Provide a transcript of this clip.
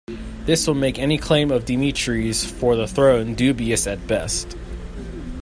This would make any claim of Dmitry's for the throne dubious at best.